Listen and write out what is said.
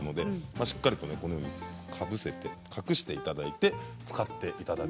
しっかりとかぶせて隠していただいて使ってください。